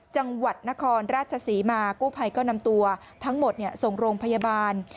จังหวัดนครราชศรีมากู้ภัยก็นำตัวทั้งหมดส่งโรงพยาบาล